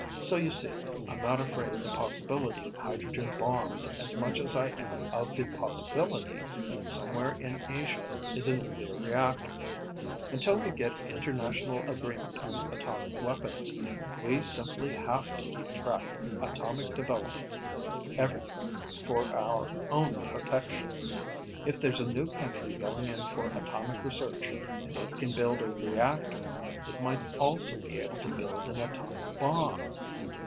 "So you see, I'm not afraid of the possibility of hydrogen bombs as much as I am of the possibility that somewhere in Asia is a nuclear reactor. Until we get international agreement on atomic weapons, we simply have to keep track of atomic developments everywhere for our own protection. If there's a new country going in for atomic research, and it can build a reactor, it might also be able to build an atomic bomb.